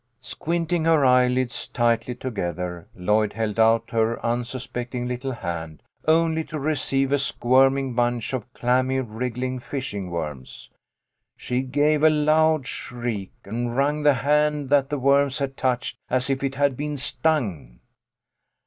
Squinting her eyelids tightly together, Lloyd held out her unsuspecting little hand, only to receive a squirming bunch of clammy, wriggling fishing worms. She gave a loud shriek, and wrung the hand that the worms had touched, as if it had been stung.